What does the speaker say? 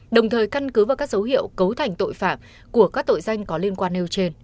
đồng thời căn cứ vào các dấu hiệu cấu thành tội phạm của các tội danh có liên quan nêu trên